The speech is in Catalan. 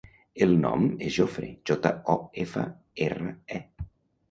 El nom és Jofre: jota, o, efa, erra, e.